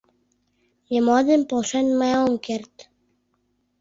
Нимо ден полшен мый ом керт.